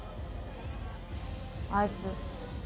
あいつ。